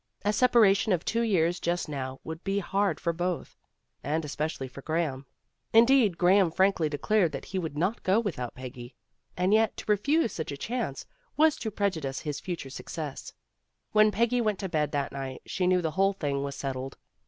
A separation of two years just now would be hard for both, and especially for Graham. Indeed Graham frankly declared that he would not go without Peggy, and yet PEGGY COMES TO A DECISION 251 to refuse such a chance was to prejudice his future success. When Peggy went to bed that night she knew the whole thing was settled.